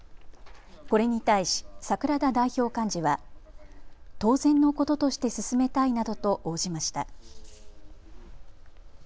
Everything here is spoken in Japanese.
これに対し、櫻田代表幹事は当然のこととして進めたいなどと応じました。